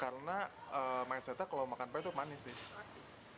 karena mindset nya kalau makan pie tuh manis deh